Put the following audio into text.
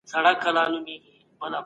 اسلامي شریعت شخصي ملکیت خوندي ساتلی دی.